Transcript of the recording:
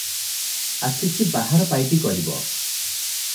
ଆସିଛି ବାହାର ପାଇଟି କରିବ ।